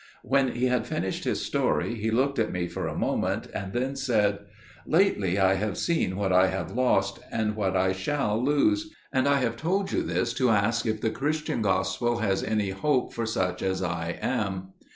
"When he had finished his story he looked at me for a moment, and then said: "'Lately I have seen what I have lost, and what I shall lose; and I have told you this to ask if the Christian Gospel has any hope for such as I am.